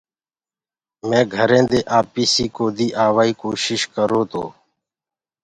مي گھرينٚ دي آپيٚسي ڪودي آوآئيٚ ڪوشيٚش ڪرو تو